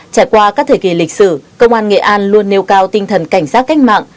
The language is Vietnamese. trải qua các thời kỳ lịch sử công an nghệ an luôn nêu cao tinh thần cảnh giác cách mạng